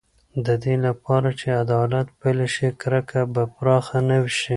د دې لپاره چې عدالت پلی شي، کرکه به پراخه نه شي.